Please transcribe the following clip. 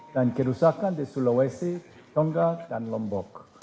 dan kerusakan di sulawesi tongga dan lombok